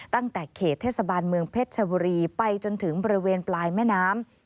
ตั้งแต่เขตเทศบาลเมืองเพชรชบุรีไปจนถึงบริเวณปลายแม่น้ำ